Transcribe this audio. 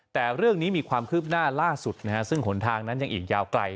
แต่เรื่องนี้มีความคืบหน้าล่าสุดนะฮะซึ่งหนทางนั้นยังอีกยาวไกล